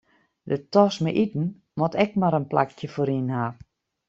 De tas mei iten moat ek mar in plakje foaryn ha.